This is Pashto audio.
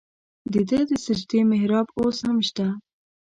د ده د سجدې محراب اوس هم شته.